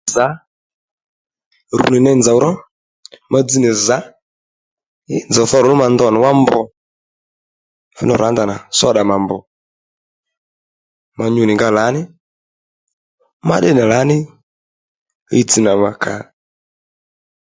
Zǎ, rù nzòw ró, ma dzi nì zǎ, nzòw dhoró ma ndo nì wá mbr ndrú rǎ ndanà soda mà mbrr̀ mà nyu nì nga lǎní ma déy nì lǎní hìytss nà bba kà ó